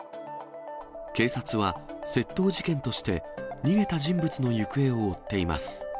警察は、窃盗事件として逃げた人物の行方を追っています。